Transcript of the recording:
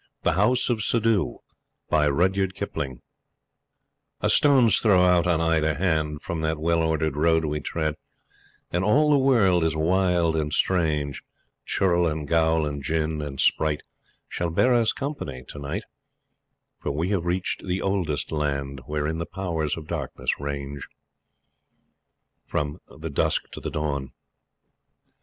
THE HOUSE OF SUDDHOO A stone's throw out on either hand From that well ordered road we tread, And all the world is wild and strange; Churel and ghoul and Djinn and sprite Shall bear us company to night, For we have reached the Oldest Land Wherein the Powers of Darkness range. From the Dusk to the Dawn.